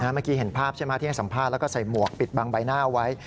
เมื่อกี้เห็นภาพใช่ไหมที่ให้สัมภาษณ์แล้วก็ใส่หมวกปิดบังใบหน้าไว้